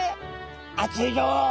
「熱いよ。